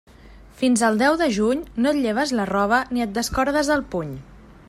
Fins al deu de juny no et lleves la roba ni et descordes el puny.